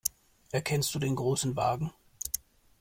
Erkennst du den Großen Wagen?